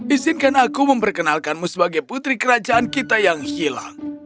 izinkan aku memperkenalkanmu sebagai putri kerajaan kita yang hilang